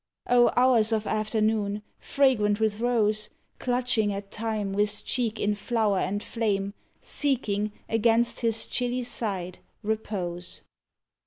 Oh hours of afternoon, fragrant with rose, Clutching at time, with cheek in flower and flame, Seeking, against his chilly side, repose!